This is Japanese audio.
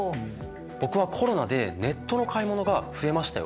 僕はコロナでネットの買い物が増えましたよ。